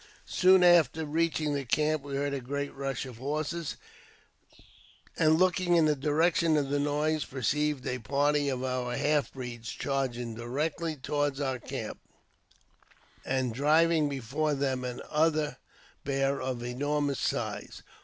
Soon after reaching the camp we heard a great rush of horses, and, looking in the direction of the noise, perceived a party of our half breeds charging directly toward our camp, and driving before them another bear of enormous size.